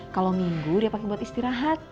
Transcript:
kalau minggu dia pakai buat istirahat